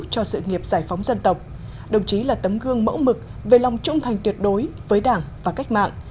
cho sự nghiệp giải phóng dân tộc đồng chí là tấm gương mẫu mực về lòng trung thành tuyệt đối với đảng và cách mạng